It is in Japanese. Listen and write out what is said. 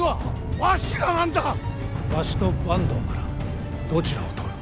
わしと坂東ならどちらを取る？